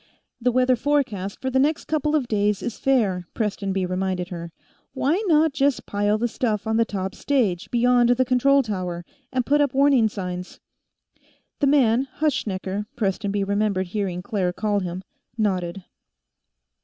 "The weather forecast for the next couple of days is fair," Prestonby reminded her. "Why not just pile the stuff on the top stage, beyond the control tower, and put up warning signs?" The man Hutschnecker, Prestonby remembered hearing Claire call him nodded.